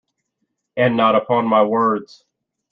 And not upon my words.